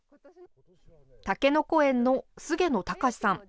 たけのこ園の菅野隆さん。